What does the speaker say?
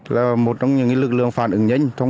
đây là một trong những lực lượng phản ứng nhanh